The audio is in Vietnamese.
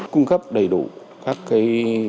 cung cấp đầy đủ khách cũng đầy đủ